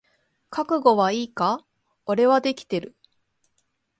覚悟はいいか？俺はできてる。